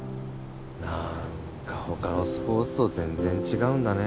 何か他のスポーツと全然違うんだね